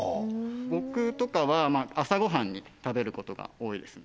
僕とかは朝ごはんに食べることが多いですね